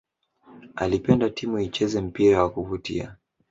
alipenda timu icheze mpira wa kuvutia